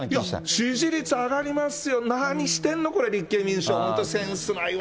支持率上がりますよ、何してるの、これ、立憲民主党、これ、センスないわ。